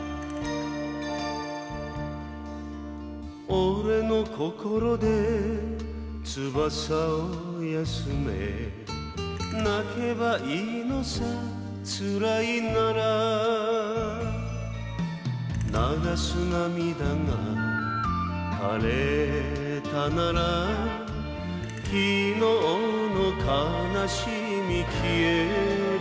「俺の心で翼を休め泣けばいいのさ辛いなら」「流す涙が涸れたなら昨日の悲しみ消えるだろう」